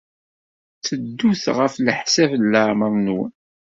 Tteddut ɣef leḥsab n leɛmeṛ-nwen.